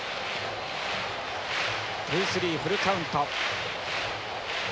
ツースリーフルカウント。